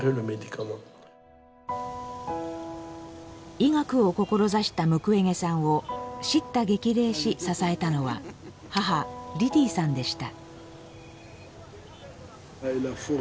医学を志したムクウェゲさんを叱咤激励し支えたのは母リディーさんでした。